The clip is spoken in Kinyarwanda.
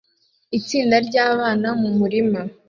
Itsinda ryabana mumurima